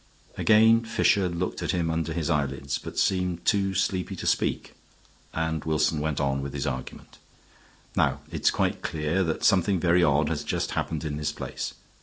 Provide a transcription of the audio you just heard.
Again Fisher looked at him under his eyelids, but seemed too sleepy to speak, and Wilson went on with his argument. "Now it's quite clear that something very odd has just happened in this place.